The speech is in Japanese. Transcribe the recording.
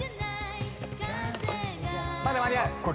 まだ間に合う。